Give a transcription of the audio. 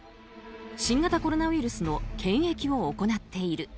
新型コロナウイルスの検疫を行っている。